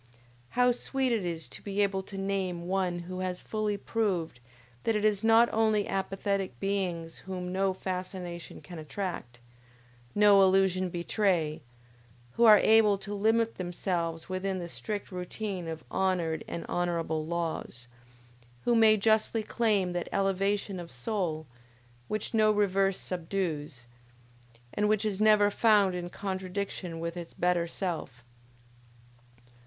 How sweet it is to be able to name one who has fully proved that it is not only apathetic beings whom no fascination can attract, no illusion betray, who are able to limit themselves within the strict routine of honored and honorable laws, who may justly claim that elevation of soul, which no reverse subdues, and which is never found in contradiction with its better self!